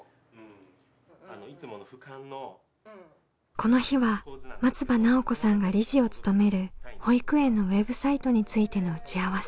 この日は松場奈緒子さんが理事を務める保育園のウェブサイトについての打ち合わせ。